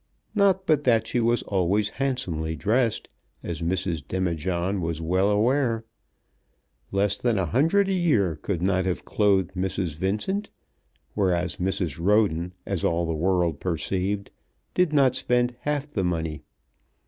Not but that she was always handsomely dressed, as Mrs. Demijohn was very well aware. Less than a hundred a year could not have clothed Mrs. Vincent, whereas Mrs. Roden, as all the world perceived, did not spend half the money.